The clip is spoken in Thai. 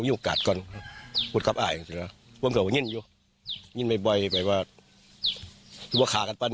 แม่นครับเพราะว่าเคยฟัง